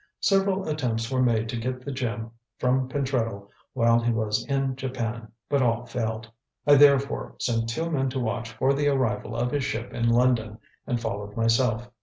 Several attempts were made to get the gem from Pentreddle while he was in Japan, but all failed. I therefore sent two men to watch for the arrival of his ship in London and followed myself.